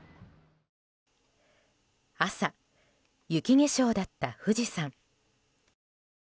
朝、雪化粧だった富士山。